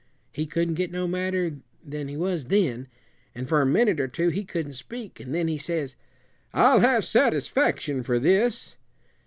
He couldn't get no madder than he was then, an' fur a minute or two he couldn't speak, an' then he says, 'I'll have satisfaction for this.'